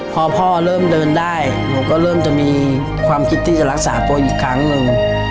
พอพ่อเริ่มเดินได้หนูก็เริ่มจะมีความคิดที่จะรักษาตัวอีกครั้งหนึ่ง